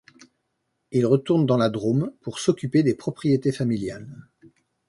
Il retourne dans la Drôme pour s'occuper des propriétés familiales.